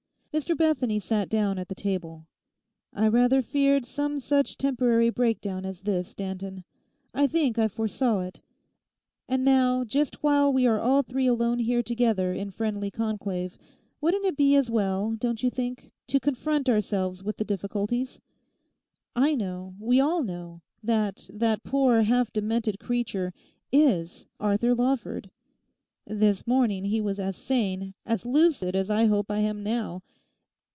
Mr Bethany sat down at the table. 'I rather feared some such temporary breakdown as this, Danton. I think I foresaw it. And now, just while we are all three alone here together in friendly conclave, wouldn't it be as well, don't you think, to confront ourselves with the difficulties? I know—we all know, that that poor half demented creature is Arthur Lawford. This morning he was as sane, as lucid as I hope I am now.